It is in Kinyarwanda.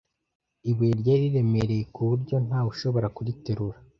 Ibuye ryari riremereye kuburyo ntawushobora kuriterura.